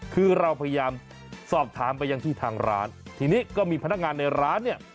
คือเราพยายามสอบถามไปยังที่ทางร้านทีนี้ก็มีพนักงานในร้านเนี่ย